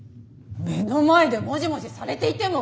目の前でモジモジされていても！？